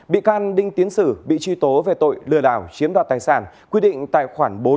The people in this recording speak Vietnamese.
bị can đinh tiến sử bị truy tố về tội lừa đảo chiếm đoạt tài sản quy định tại khoản bốn